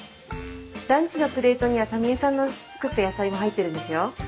ランチのプレートにはタミ江さんの作った野菜も入ってるんですよ。